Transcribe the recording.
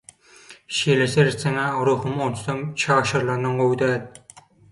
Şeýle seretseňä ruhum onsuzam çaşyrylandan gowy däl.